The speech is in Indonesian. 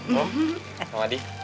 pok sama adi